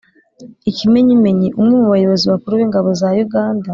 ikimenyimenyi, umwe mu bayobozi bakuru b'ingabo za uganda